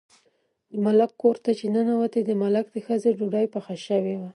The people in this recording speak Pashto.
د ملک کور ته چې ننوتې، د ملک د ښځې ډوډۍ پخه شوې وه.